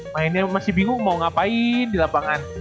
mainnya masih bingung mau ngapain di lapangan